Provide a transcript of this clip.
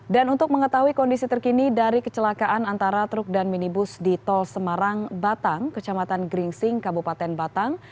dan untuk mengetahui kondisi terkini dari kecelakaan antara truk dan minibus di tol semarang batang kecamatan gringsing kabupaten batang